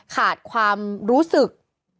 ขาดความรู้สึก